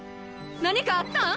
何かあったん！？